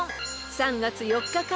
［３月４日から出題］